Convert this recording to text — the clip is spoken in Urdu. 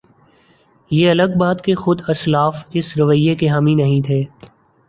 یہ الگ بات کہ خود اسلاف اس رویے کے حامی نہیں تھے۔